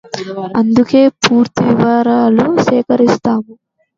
అందుకే పూర్తి వివరాలు సేకరిస్తున్నాము